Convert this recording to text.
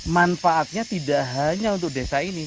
manfaatnya tidak hanya untuk desa ini